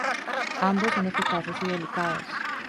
Ambos son eficaces y dedicados.